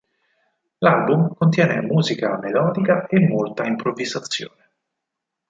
L'album contiene musica melodica e molta improvvisazione.